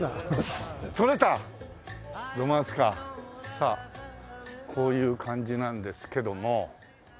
さあこういう感じなんですけども。